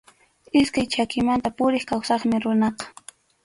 Iskay chakimanta puriq kawsaqmi runaqa.